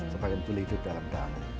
semakin pulih hidup dalam damai